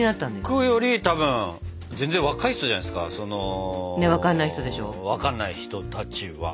僕よりたぶん全然若い人じゃないですかその分かんない人たちは。